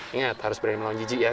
ingat harus berani melawan jijik ya